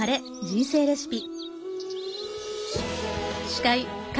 人生レシピ」。